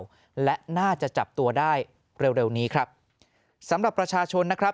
แล้วและน่าจะจับตัวได้เร็วเร็วนี้ครับสำหรับประชาชนนะครับ